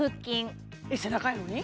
背中やのに？